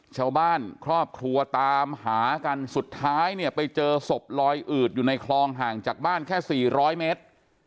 ชาวบ้านครอบครัวตามหากันสุดท้ายเนี่ยไปเจอศพลอยอืดอยู่ในคลองห่างจากบ้านแค่๔๐๐เมตร